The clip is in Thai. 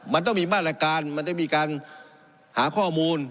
มันต้องมีมาตรการมันต้องมีการหาข้อมูล